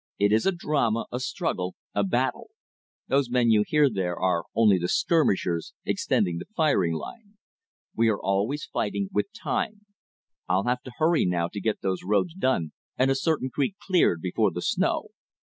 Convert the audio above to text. It is a drama, a struggle, a battle. Those men you hear there are only the skirmishers extending the firing line. We are fighting always with Time. I'll have to hurry now to get those roads done and a certain creek cleared before the snow.